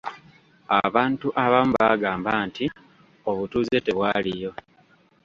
Abantu abamu baagamba nti obutuuze tebwaliyo.